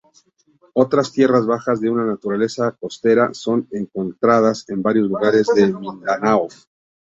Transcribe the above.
Otras tierras bajas de una naturaleza costera son encontradas en varios lugares de Mindanao.